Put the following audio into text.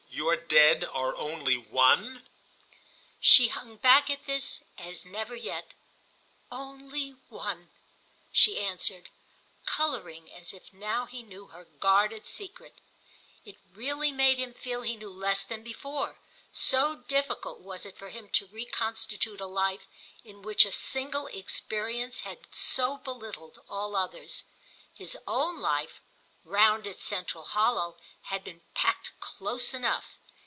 "Your Dead are only One?" She hung back at this as never yet. "Only One," she answered, colouring as if now he knew her guarded secret. It really made him feel he knew less than before, so difficult was it for him to reconstitute a life in which a single experience had so belittled all others. His own life, round its central hollow, had been packed close enough.